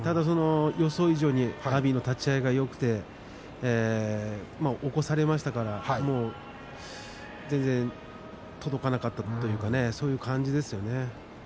予想以上に阿炎の立ち合いがよくて起こされましたから全然まわしに手が届かなかったという感じですね。